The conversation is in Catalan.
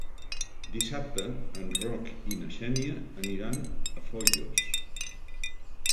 Dissabte en Roc i na Xènia aniran a Foios.